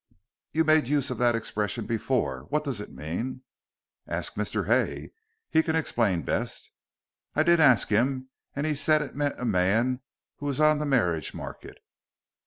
"You made use of that expression before. What does it mean?" "Ask Mr. Hay. He can explain best." "I did ask him, and he said it meant a man who was on the marriage market."